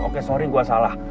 oke sorry gue salah